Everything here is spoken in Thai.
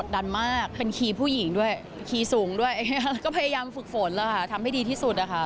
ดันมากเป็นคีย์ผู้หญิงด้วยคีย์สูงด้วยก็พยายามฝึกฝนแล้วค่ะทำให้ดีที่สุดนะคะ